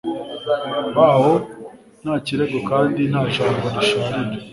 Baho nta kirego kandi nta jambo risharira